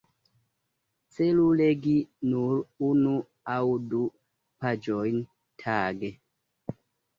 Celu legi nur unu aŭ du paĝojn tage.